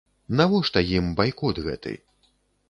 Навошта ім байкот гэты?